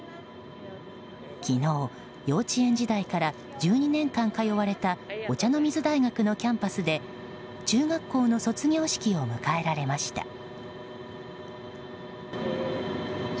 昨日、幼稚園時代から１２年間通われたお茶の水大学のキャンパスで中学校の卒業式を迎えられました。